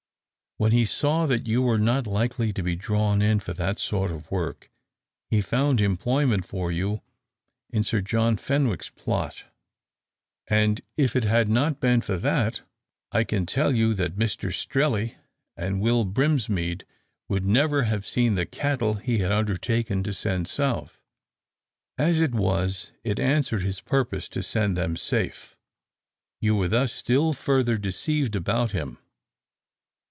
When he saw that you were not likely to be drawn in for that sort of work, he found employment for you in Sir John Fenwick's plot, and if it had not been for that, I can tell you that Mr Strelley and Will Brinsmead would never have seen the cattle he had undertaken to send south. As it was, it answered his purpose to send them safe. You were thus still further deceived about him.